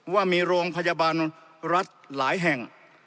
ว่ามีโรงพยาบาลรัฐหลายแห่ง